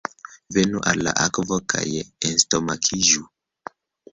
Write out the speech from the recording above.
Venu al la akvo, kaj enstomakiĝu!